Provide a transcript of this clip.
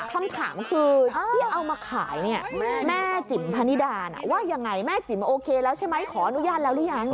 คำถามคือที่เอามาขายเนี่ยแม่จิ๋มพนิดาว่ายังไงแม่จิ๋มโอเคแล้วใช่ไหมขออนุญาตแล้วหรือยัง